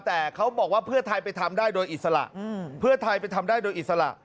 แต่เขาบอกว่าเพื่อไทยไปทำได้โดยอิสระเพื่อไทยไปทำได้โดยอิสระ